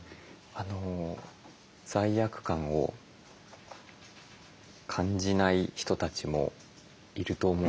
あの罪悪感を感じない人たちもいると思うんですよ。